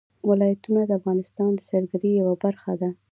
ولایتونه د افغانستان د سیلګرۍ یوه برخه ده.